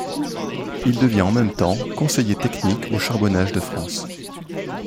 Il devient en même temps conseiller technique aux Charbonnages de France.